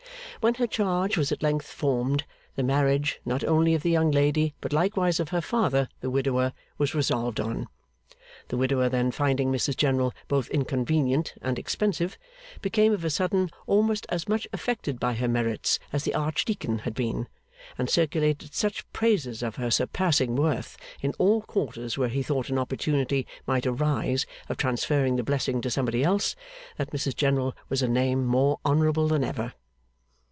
When her charge was at length formed, the marriage, not only of the young lady, but likewise of her father, the widower, was resolved on. The widower then finding Mrs General both inconvenient and expensive, became of a sudden almost as much affected by her merits as the archdeacon had been, and circulated such praises of her surpassing worth, in all quarters where he thought an opportunity might arise of transferring the blessing to somebody else, that Mrs General was a name more honourable than ever.